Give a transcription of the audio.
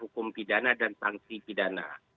hukum pidana dan sanksi pidana